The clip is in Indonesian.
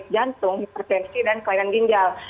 jantung hipertensi dan kelainan ginjal